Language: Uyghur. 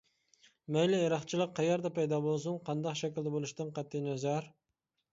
مەيلى ئىرقچىلىق قەيەردە پەيدا بولسۇن، قانداق شەكىلدە بولۇشىدىن قەتئىينەزەر.